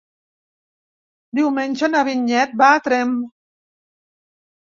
Diumenge na Vinyet va a Tremp.